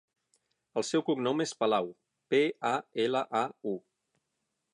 El seu cognom és Palau: pe, a, ela, a, u.